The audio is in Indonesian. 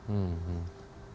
mungkin mereka juaranya